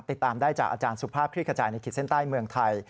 ติดตามได้จากอาจารย์สุภาพคลิกกระจายในขีดเส้นใต้เมืองไทย